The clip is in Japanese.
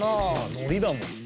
のりだもん。